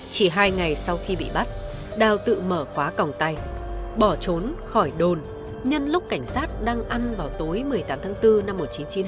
chỉ hai ngày sau khi bị bắt đào tự mở khóa cổng tay bỏ trốn khỏi đồn nhân lúc cảnh sát đang ăn vào tối một mươi tám tháng bốn năm một nghìn chín trăm chín mươi hai